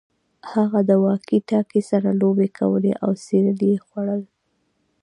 هغه د واکي ټاکي سره لوبې کولې او سیریل یې خوړل